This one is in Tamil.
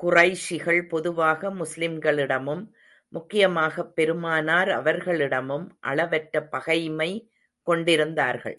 குறைஷிகள் பொதுவாக முஸ்லிம்களிடமும், முக்கியமாகப் பெருமானார் அவர்களிடமும் அளவற்ற பகைமை கொண்டிருந்தார்கள்.